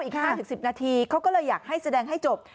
อีก๕๑๐นาทีเขาก็เลยอยากให้แสดงให้จบ